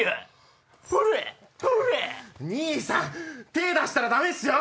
手ぇ出したらダメっすよ！